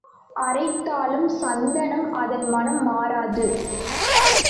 அரைத்தாலும் சந்தனம் அதன்மணம் மாறாது.